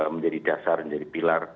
menjadi dasar menjadi pilar